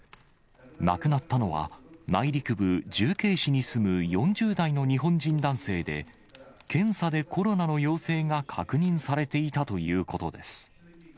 亡くなったのは、内陸部、重慶市に住む４０代の日本人男性で、検査でコロナの陽性が確認されていたということです。